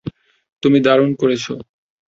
তুমি দারুণ করেছ।